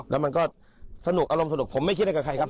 แล้วมันก็สนุกอารมณ์สนุกผมไม่คิดอะไรกับใครครับ